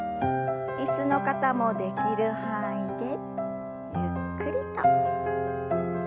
椅子の方もできる範囲でゆっくりと。